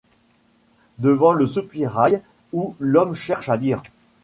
Devant le soupirail où l'homme cherche à lire